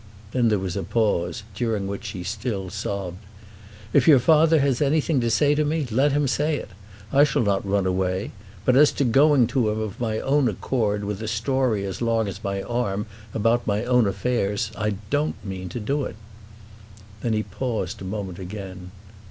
Then there was a pause, during which she still sobbed. "If your father has anything to say to me, let him say it. I shall not run away. But as to going to him of my own accord with a story as long as my arm about my own affairs, I don't mean to do it." Then he paused a moment again.